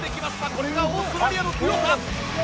これがオーストラリアの強さ！